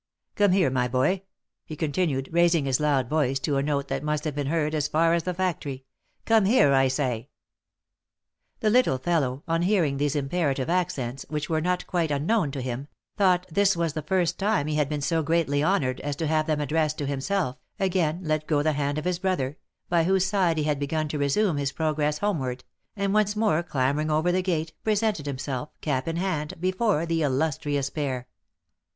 Come here, my boy, v he continued, raising his loud voice to a note that must have been heard as far as the factory, " come here, I say." The little fellow, on hearing these imperative accents,!which were not quite unknown to him, thought this was the first time he had been so greatly honoured as to have them addressed to himself, again let go the hand of his brother, by whose side he had begun to resume his progress homeward, and once more clambering over the gate, presented himself, cap in hand, before the illustrious pair.